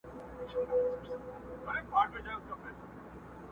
د باښو او د کارګانو هم نارې سوې.!